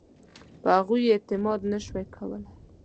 په هغوی یې اعتماد نه شو کولای.